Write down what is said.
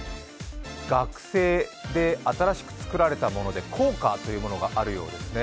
学制で新しくつくられたもので校歌というものがあるようですね。